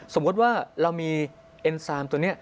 สมมุติว่าเรามีเอ็นซามตัวนี้